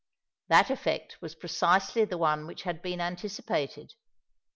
That effect was precisely the one which had been anticipated.